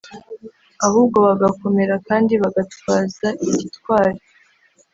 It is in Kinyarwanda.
ahubwo bagakomera kandi bagatwaza gitwari